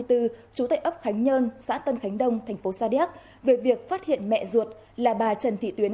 trú tại ấp khánh nhơn xã tân khánh đông thành phố sa điếc về việc phát hiện mẹ ruột là bà trần thị tuyến